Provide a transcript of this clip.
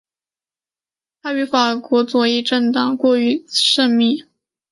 他与法国左翼政党过从甚密。